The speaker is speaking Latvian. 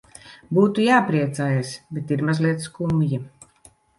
Būtu jāpriecājas, bet ir mazliet skumji.